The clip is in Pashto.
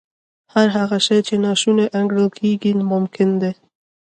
هر هغه شی چې ناشونی انګېرل کېږي ممکن دی